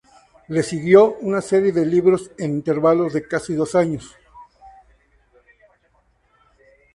Le siguió una serie de libros en intervalos de casi dos años.